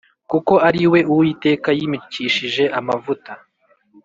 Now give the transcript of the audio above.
kuko ari we Uwiteka yimikishije amavuta.